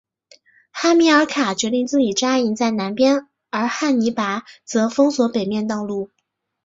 哈米尔卡决定自己扎营在南边而汉尼拔则封锁北面道路。